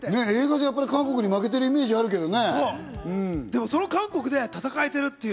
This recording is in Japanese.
映画で韓国に負けてるイメージあるけどね。